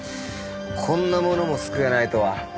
こんなものもすくえないとは。